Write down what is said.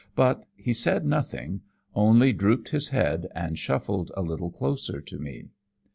But he said nothing only drooped his head and shuffled a little closer to me.